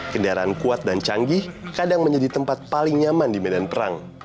kendaraan kuat dan canggih kadang menjadi tempat paling nyaman di medan perang